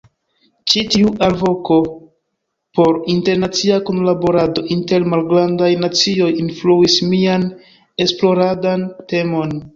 Ĉi tiu alvoko por internacia kunlaborado inter malgrandaj nacioj influis mian esploradan temon.